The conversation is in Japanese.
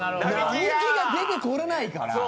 並木が出てこれないから。